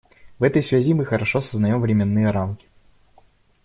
В этой связи мы хорошо сознаем временные рамки.